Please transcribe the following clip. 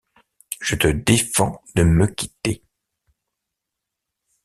Je te défends de me quitter.